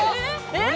えっ？